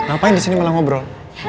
ngapain disini malah ngobrol